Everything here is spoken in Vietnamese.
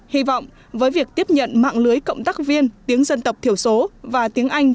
hy vọng với việc tiếp nhận mạng lưới cộng tác viên tiếng dân tộc thiểu số và tiếng anh